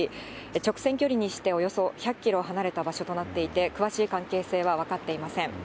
直線距離にしておよそ１００キロ離れた場所となっていて、詳しい関係性は分かっていません。